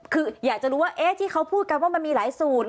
คืออยากจะรู้ว่าที่เขาพูดกันว่ามันมีหลายสูตร